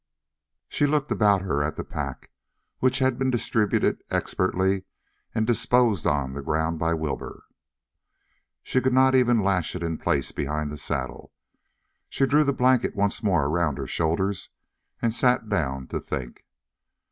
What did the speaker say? She looked about her at the pack, which had been distributed expertly, and disposed on the ground by Wilbur. She could not even lash it in place behind the saddle. So she drew the blanket once more around her shoulders and sat down to think.